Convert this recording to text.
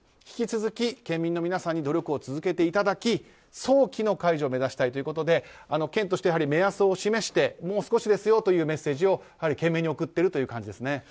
引き続き県民の皆さんに努力を続けていただき早期の解除を目指したいということで県として目安を示してもう少しですよというメッセージを県民に送ってるんです。